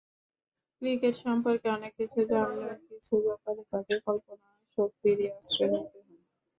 Cricket সম্পর্কে অনেক কিছুই জানলেও কিছু ব্যাপারে তাঁকে কল্পনা-শক্তিরই আশ্রয় নিতে হয়।